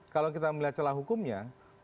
kalau kita melihat celah hukumnya